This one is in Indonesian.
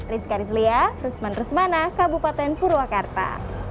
rizka rizlia rusman rusmana kabupaten purwakarta